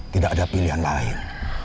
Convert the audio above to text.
tidak ada pilihan lain